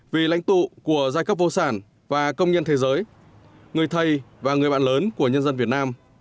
vì lãnh tụ của giai cấp vô sản và công nhân thế giới người thầy và người bạn lớn của nhân dân việt nam